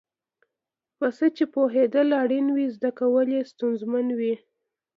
په څه چې پوهېدل اړین وي زده کول یې ستونزمن وي.